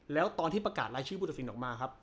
แล้วตอนที่ประกาศรายชื่อผู้ตัดสินออกมาครับ